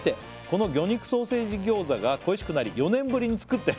「この魚肉ソーセージ餃子が恋しくなり４年ぶりに作って」